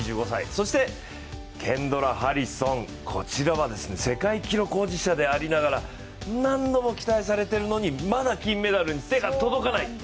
そしてケンドラ・ハリソン、こちらは世界記録保持者でありながら何度も期待されてるのにまだ金メダルに手が届かない。